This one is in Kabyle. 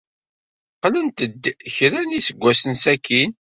Qqlent-d kra n yiseggasen sakkin.